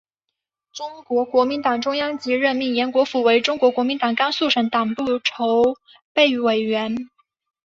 中国国民党中央即任命延国符为中国国民党甘肃省党部筹备委员。